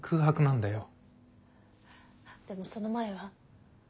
でもその前は？